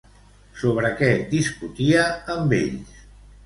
Sobre què discutia amb ells?